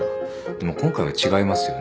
でも今回は違いますよね。